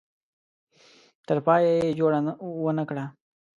تر پایه یې جوړه ونه کړه.